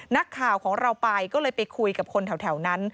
นักข่าวของเราไปก็เลยไปคุยกับคนแถวนั้น